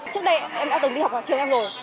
trước đây em đã từng đi học vào trường em rồi